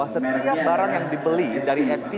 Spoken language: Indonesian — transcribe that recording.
setiap barang yang dibeli dari sk